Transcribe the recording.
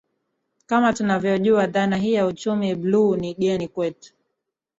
Kama tunavyojua dhana hii ya uchumi bluu ni ngeni kwetu